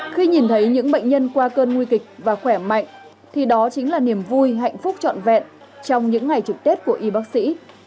khi nhìn thấy những bệnh nhân qua cơn nguy kịch và khỏe mạnh thì đó chính là niềm vui hạnh phúc trọn vẹn trong những ngày trực tết của y bác sĩ